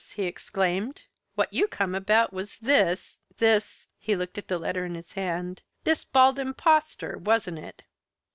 he exclaimed. "What you come about was this this" he looked at the letter in his hand "this Bald Impostor, wasn't it?"